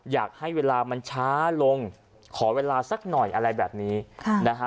อยากให้เวลามันช้าลงขอเวลาสักหน่อยอะไรแบบนี้ค่ะนะฮะ